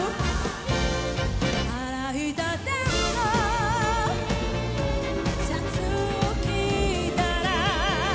「洗い立てのシャツを着たら」